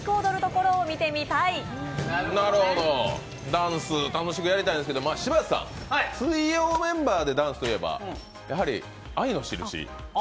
ダンス、楽しくやりたいんですけど柴田さん、水曜メンバーでダンスといえば、やはり「愛のしるし」。